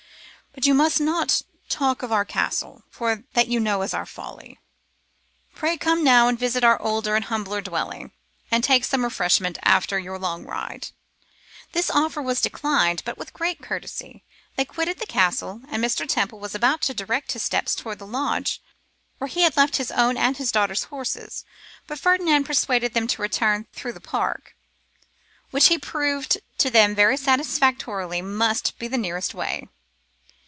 But you must not talk of our castle, for that you know is our folly. Pray come now and visit our older and humbler dwelling, and take some refreshment after your long ride.' This offer was declined, but with great courtesy. They quitted the castle, and Mr. Temple was about to direct his steps towards the lodge, where he had left his own and his daughter's horses; but Ferdinand persuaded them to return through the park, which he proved to them very satisfactorily must be the nearest way.